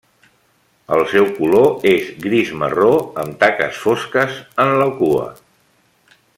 El seu color és gris marró, amb taques fosques en la cua.